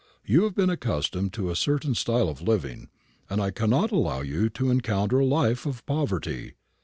You have been accustomed to a certain style of living, and I cannot allow you to encounter a life of poverty."